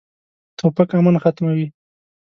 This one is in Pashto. توپک امن ختموي.